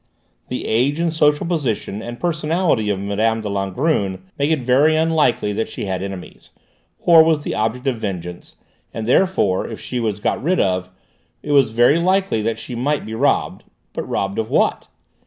The age and social position and personality of Mme. de Langrune make it very unlikely that she had enemies, or was the object of vengeance, and therefore if she was got rid of, it was very likely that she might be robbed but robbed of what?